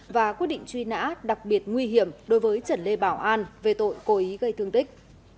và quyết định truy nã đặc biệt nguy hiểm đối với trần lê bảo an về tội cố ý gây thương tích